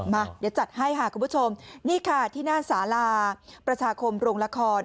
มาเดี๋ยวจัดให้ค่ะคุณผู้ชมนี่ค่ะที่หน้าสาลาประชาคมโรงละคร